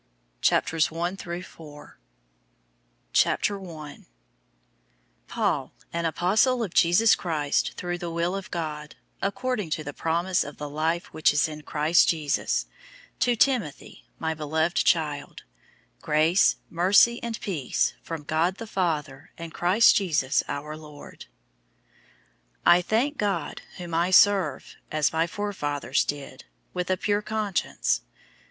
Amen. Book 55 2 Timothy 001:001 Paul, an apostle of Jesus Christ through the will of God, according to the promise of the life which is in Christ Jesus, 001:002 to Timothy, my beloved child: Grace, mercy, and peace, from God the Father and Christ Jesus our Lord. 001:003 I thank God, whom I serve as my forefathers did, with a pure conscience.